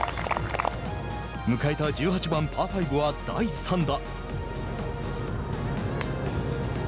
迎えた１８番、パー５は第３打。